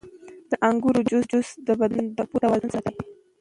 • د انګورو جوس د بدن د اوبو توازن ساتي.